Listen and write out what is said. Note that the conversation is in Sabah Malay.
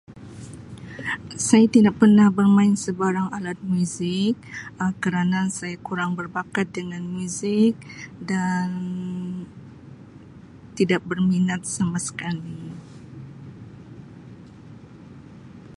Saya tidak pernah bermain sebarang alat muzik Um kerana saya kurang berbakat dengan muzik dan tidak berminat sama sekali.